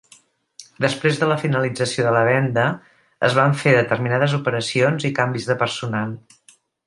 Després de la finalització de la venda, es van fer determinades operacions i canvis de personal.